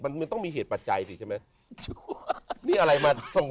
มันต้องมีเหตุปัจจัยสิใช่ไหม